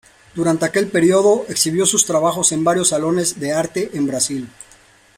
Durante aquel periodo, exhibió su trabajo en varios salones de arte en Brasil.